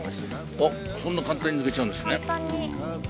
おっそんな簡単に抜けちゃうんですね。